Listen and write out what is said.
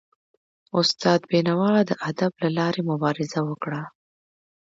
استاد بینوا د ادب له لاري مبارزه وکړه.